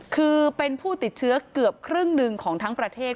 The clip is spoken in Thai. คือเป็นผู้ติดเชื้อเกือบครึ่งหนึ่งของทั้งประเทศ